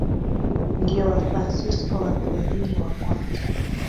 Ndio Wafransisko wafiadini wa kwanza.